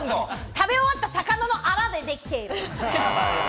食べ終わった魚のアラでできている。